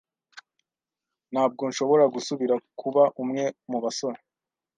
Ntabwo nshobora gusubira kuba umwe mubasore.